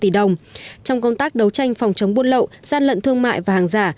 trong công tác đấu tranh phòng chống buôn lậu gian lận thương mại và hàng giả